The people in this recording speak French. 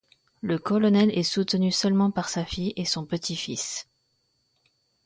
Le colonel est soutenu seulement par sa fille et son petit-fils.